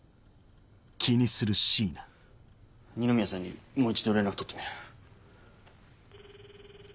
二宮さんにもう一度連絡取ってみる。